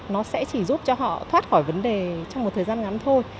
nó sẽ chỉ giúp cho họ thoát khỏi vấn đề trong một thời gian ngắn thôi